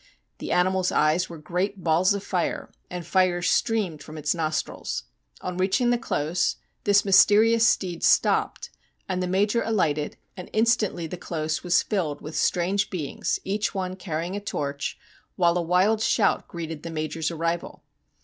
The animal's eyes were great balls of fire, and fire streamed from its nostrils. On reaching the close this mysterious steed stopped, and the Major alighted, and instantly the close was filled with strange beings, each one carrying a torch, while a wild shout greeted the Major's arrival.